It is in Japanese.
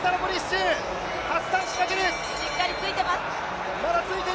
しっかりついてます。